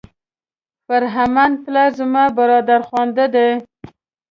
فرهمند پلار زما برادرخوانده دی.